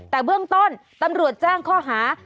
แต่เบื้องต้นตำรวจแจ้งข้อหา